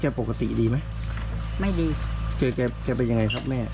แกปกติดีมั้ยไม่ดีแกแกแกเป็นยังไงครับแม่